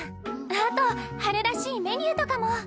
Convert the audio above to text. あと春らしいメニューとかも。